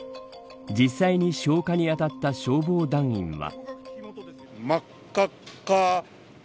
実際に消火にあたった消防団員は。